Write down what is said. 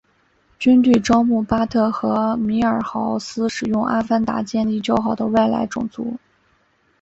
军队招募巴特和米尔豪斯使用阿凡达建立交好的外来种族。